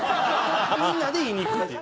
みんなで言いに行くっていう。